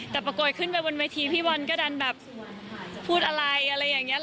แต่ปรากฏขึ้นไปบนเวทีพี่บอลก็ดันแบบพูดอะไรอะไรอย่างนี้